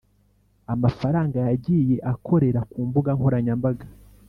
amafaranga yagiye akorera ku mbuga nkoranyambaga,